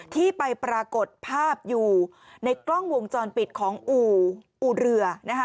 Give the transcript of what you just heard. ที่ไปปรากฏภาพอยู่ในกล้องวงจรปิดของอู่เรือ